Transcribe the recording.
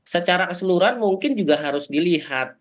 secara keseluruhan mungkin juga harus dilihat